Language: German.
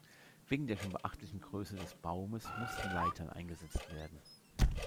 Wegen der schon beachtlichen Größe des Baumes mussten Leitern eingesetzt werden.